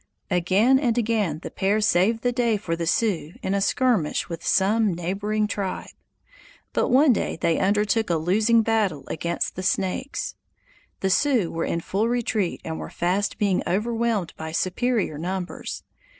Again and again the pair saved the day for the Sioux in a skirmish with some neighboring tribe. But one day they undertook a losing battle against the Snakes. The Sioux were in full retreat and were fast being overwhelmed by superior numbers.